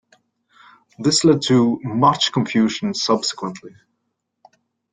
This led to much confusion subsequently.